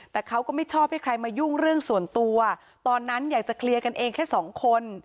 แต่เขาก็ไม่ชอบให้ใครมายุ่งเรื่องส่วนตัวตอนนั้นอยากจะเคลียร์กันเองแค่สองคน